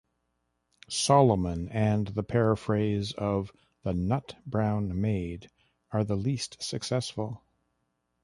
"Solomon", and the paraphrase of "The Nut-Brown Maid", are the least successful.